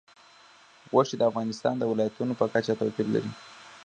غوښې د افغانستان د ولایاتو په کچه توپیر لري.